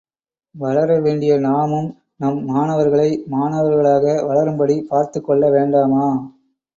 வளர வேண்டிய நாமும், நம் மாணவர்களை மாணவர்களாக வளரும்படி பார்த்துக் கொள்ளவேண்டாமா?